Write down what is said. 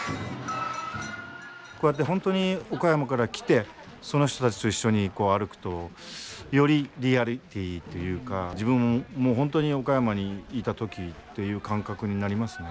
こうやって本当に岡山から来てその人たちと一緒に歩くとよりリアリティーというか自分も本当に岡山にいた時という感覚になりますね。